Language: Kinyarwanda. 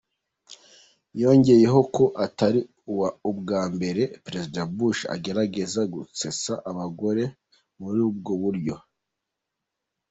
Yongeyeho ko atari ubwa mbere Perezida Bush agerageza gusetsa abagore muri ubwo buryo.